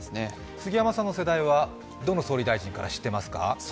杉山さんの世代は、どの総理大臣から知っていますか？